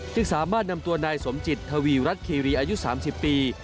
สามารถนำตัวนายสมจิตทวีรัฐคีรีอายุ๓๐ปี